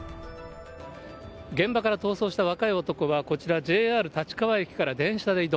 現場から逃走した若い男はこちら、ＪＲ立川駅から電車で移動。